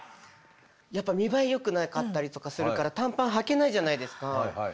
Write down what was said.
やっぱ見栄えよくなかったりとかするから短パンはけないじゃないですか。